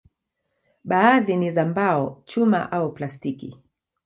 Baadhi ni za mbao, chuma au plastiki.